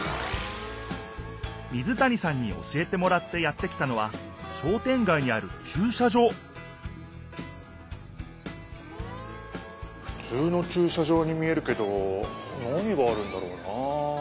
水谷さんに教えてもらってやって来たのは商店街にあるちゅう車場ふつうのちゅう車場に見えるけど何があるんだろうな？